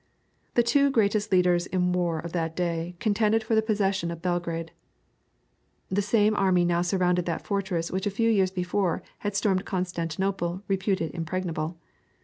The two greatest leaders in war of that day contended for the possession of Belgrade. The same army now surrounded that fortress which a few years before had stormed Constantinople reputed impregnable.